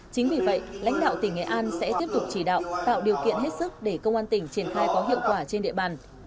chính vì vậy lãnh đạo tỉnh nghệ an sẽ tiếp tục chỉ đạo tạo điều kiện hết sức để công an tỉnh triển khai có hiệu quả trên địa bàn